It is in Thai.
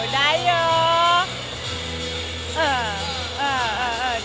ได้อยู่